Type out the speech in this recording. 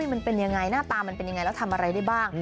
มันเป็นยังไงหน้าตามันเป็นยังไงแล้วทำอะไรได้บ้าง